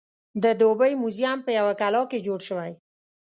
د دوبۍ موزیم په یوه کلا کې جوړ شوی.